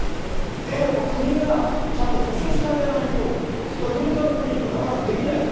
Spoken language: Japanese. それはやっぱり国がちゃんと補償してあげないと、民間のクリニックはなかなかできないですよ、